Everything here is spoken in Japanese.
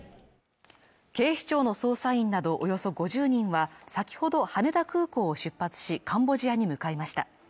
警視庁の捜査員などおよそ５０人は先ほど羽田空港を出発しカンボジアに向かいました。